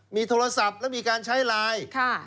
มีโทรศัพท์และมีการใช้ไลน์